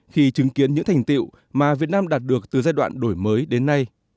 khi chứng kiến những thành tiệu mà việt nam đạt được từ giai đoạn đổi mới đến nay